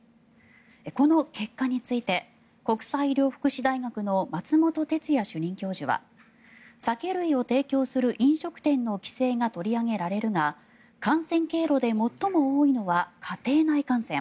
この結果について国際医療福祉大学の松本哲哉主任教授は酒類を提供する飲食店の規制が取り上げられるが感染経路で最も多いのは家庭内感染。